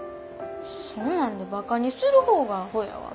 そんなんでバカにする方がアホやわ。